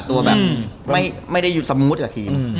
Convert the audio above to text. ดูว่าแบบไม่ได้อยู่สมมุติกับทีม